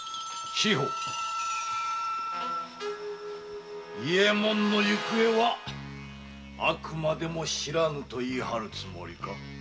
志保伊右衛門の行方はあくまでも知らぬと言い張るつもりか？